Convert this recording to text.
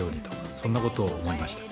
そんなことを思いました。